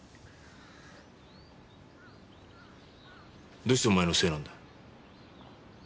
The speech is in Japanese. どうしてお前のせいなんだ？